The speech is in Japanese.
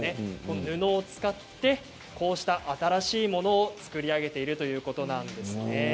布を使って、こうした新しいものを作り上げているということなんです。